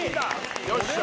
よっしゃ！